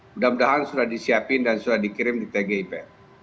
mudah mudahan sudah disiapkan dan sudah dikirim ke tgipf